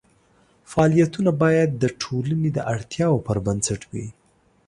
فعالیتونه باید د ټولنې د اړتیاوو پر بنسټ وي.